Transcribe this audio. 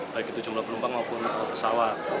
baik itu jumlah penumpang maupun pesawat